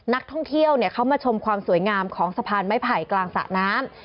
นักท่องเที่ยวเขามาชมความสวยงามของสะพานไม้ไผ่กลางสระน้ำ